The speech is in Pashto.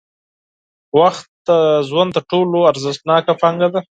وخت د ژوند تر ټولو ارزښتناکه پانګه ده.